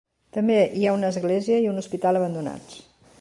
També hi ha una església i un hospital abandonats.